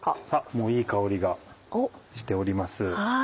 もういい香りがしております。